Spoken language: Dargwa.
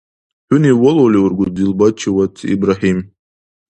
ХӀуни валули ургуд Зилбачивадси Ибрагьим?